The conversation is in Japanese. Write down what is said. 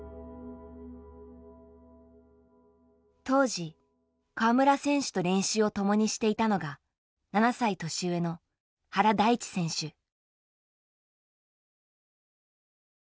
当時川村選手と練習を共にしていたのが７歳年上の原大智選手。